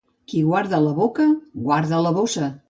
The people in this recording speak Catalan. Qui guarda la boca, guarda la bossa.